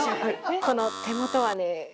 この手元はね